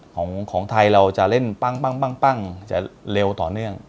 ของไทยเราจะเล่นปั้งจะเร็วต่อเนื่อง